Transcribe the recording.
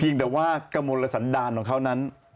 เพียงแต่ว่ากมลสันดาลของเขานั้น